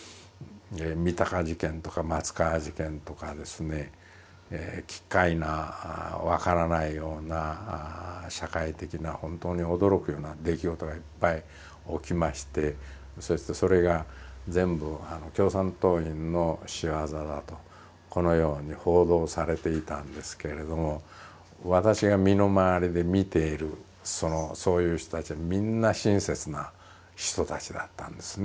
三鷹事件とか松川事件とかですね奇っ怪な分からないような社会的な本当に驚くような出来事がいっぱい起きましてそしてそれが全部共産党員の仕業だとこのように報道されていたんですけれども私が身の回りで見ているそういう人たちはみんな親切な人たちだったんですね。